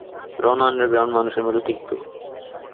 রনও underground মানুষের মত তিক্ত।